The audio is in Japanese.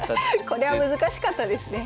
これは難しかったですね。